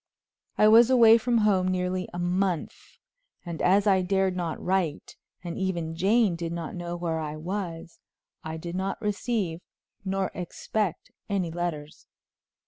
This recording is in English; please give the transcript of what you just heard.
I was away from home nearly a month, and as I dared not write, and even Jane did not know where I was, I did not receive, nor expect, any letters.